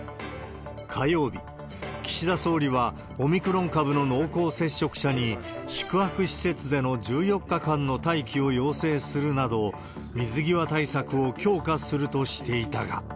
火曜日、岸田総理はオミクロン株の濃厚接触者に宿泊施設での１４日間の待機を要請するなど、水際対策を強化するとしていたが。